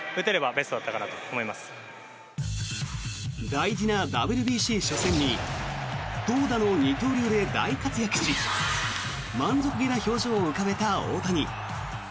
大事なＷＢＣ初戦に投打の二刀流で大活躍し満足げな表情を浮かべた大谷。